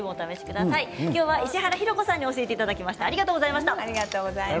石原洋子さんに教えていただきました。